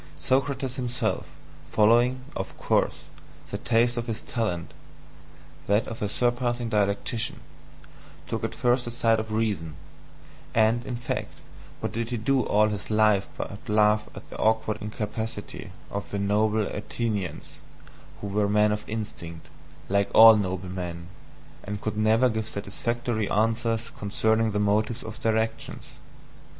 Socrates himself, following, of course, the taste of his talent that of a surpassing dialectician took first the side of reason; and, in fact, what did he do all his life but laugh at the awkward incapacity of the noble Athenians, who were men of instinct, like all noble men, and could never give satisfactory answers concerning the motives of their actions?